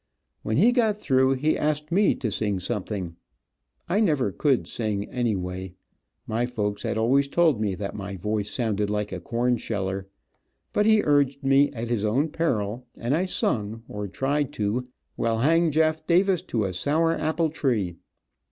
When he got through he asked me to sing something. I never could sing, anyway. My folks had always told me that my voice sounded like a corn sheller, but he urged me at his own peril, and I sung, or tried to, "We'll Hang Jeff Davis to a Sour Apple Tree."